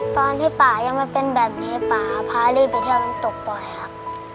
ตอนที่ป่ายังไม่เป็นแบบนี้ป่าพ่ารี่ไปเที่ยวน้ำตกบ่อยครับ